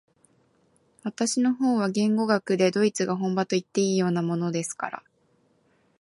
私の方は言語学でドイツが本場といっていいようなものですから、